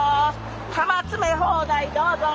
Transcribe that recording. カマ詰め放題どうぞ！